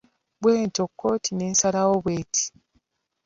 Bwetyo kkooti neesalawo bweti.